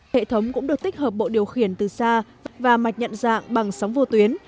hệ thống cũng được tích hợp bộ điều khiển từ xa và mạch nhận dạng bằng sóng vô tuyến